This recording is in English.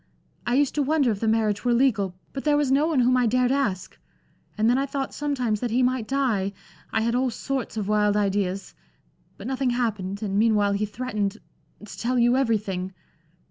I used to wonder if the marriage were legal, but there was no one whom I dared ask. And then I thought sometimes that he might die I had all sorts of wild ideas; but nothing happened, and meanwhile he threatened to tell you everything.